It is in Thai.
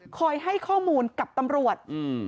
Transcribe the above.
คอยให้ข้อมูลกับตำรวจ